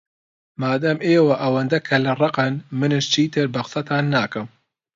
مادام ئێوە ئەوەندە کەللەڕەقن، منیش چیتر بە قسەتان ناکەم.